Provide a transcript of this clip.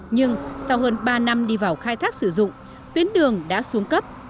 nhưng sau hơn ba năm đi vào khai thác sử dụng tuyến đường đã xuống cấp